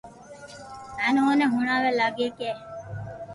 ھين اوني ھڻاوا لاگيا ڪي